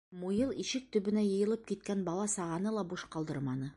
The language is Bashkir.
Муйыл ишек төбөнә йыйылып киткән бала-сағаны ла буш ҡалдырманы.